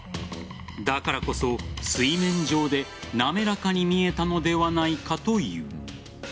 だからこそ水面上でなめらかに見えたのではないかという。